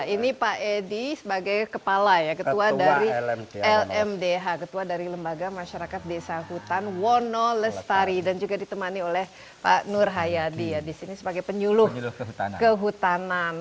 ini pak edi sebagai kepala ya ketua dari lmdh ketua dari lembaga masyarakat desa hutan wono lestari dan juga ditemani oleh pak nur hayadi ya di sini sebagai penyuluh kehutanan